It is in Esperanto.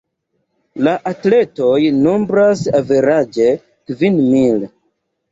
La atletoj nombras averaĝe kvin mil.